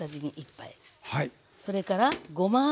それからごま油。